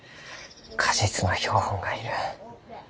果実の標本が要る。